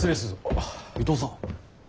あぁ伊藤さん。